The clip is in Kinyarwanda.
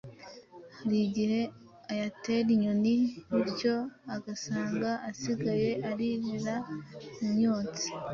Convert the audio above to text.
Hari igihe ayatera inyoni, bityo ugasanga asigaye aririra mu myotsi